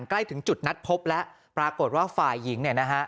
ใกล้ถึงจุดนัดพบแล้วปรากฏว่าฝ่ายหญิงเนี่ยนะฮะ